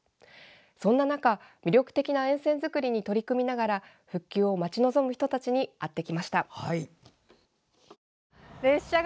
そんな中、魅力的な沿線作りに取り組みながら復旧を待ち望む人たちに会ってきました。